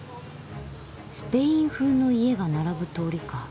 スペイン風の家が並ぶ通りか。